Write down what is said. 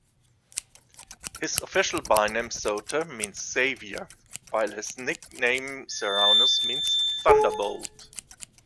His official byname "Soter" means "Saviour", while his nickname "Ceraunus" means "Thunderbolt".